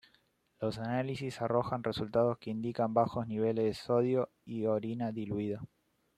Los análisis arrojan resultados que indican bajos niveles de sodio y orina diluida.